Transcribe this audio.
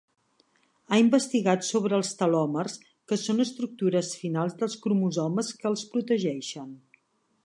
Ha investigat sobre els telòmers que són estructures finals dels cromosomes que els protegeixen.